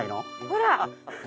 ほら。